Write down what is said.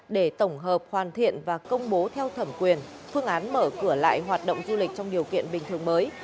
để tổng hợp hoàn thiện và công bố theo thẩm quyền phương án mở cửa lại hoạt động du lịch trong điều kiện bình thường mới